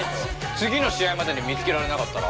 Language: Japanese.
次の試合までに見つけられなかったら？